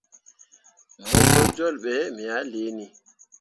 Mo gbo jolle be me ah liini.